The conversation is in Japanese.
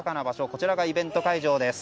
こちらがイベント会場です。